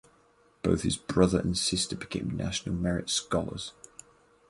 Both his brother and sister became National Merit Scholars.